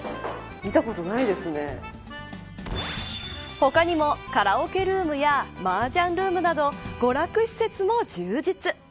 他にも、カラオケルームやマージャンルームなど娯楽施設も充実。